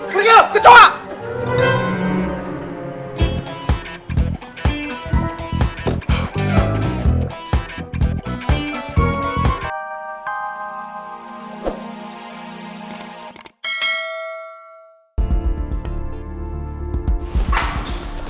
pergi loh kecua